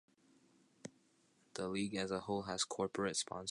The league as a whole has corporate sponsors.